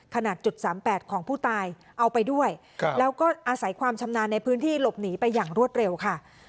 ขนาดจุด๓๘ของผู้ตายเอาไปด้วยแล้วก็อาศัยความชำนาญในพื้นที่หลบหนีไปอย่างรวดเร็วค่ะ